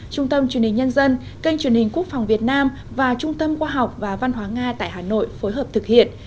trung tâm truyền hình nhân dân kênh truyền hình quốc phòng việt nam và trung tâm khoa học và văn hóa nga tại hà nội phối hợp thực hiện